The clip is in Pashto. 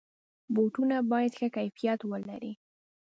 بوټونه باید ښه کیفیت ولري.